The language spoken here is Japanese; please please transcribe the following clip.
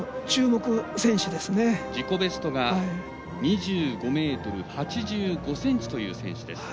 自己ベストが２５ｍ８５ｃｍという選手。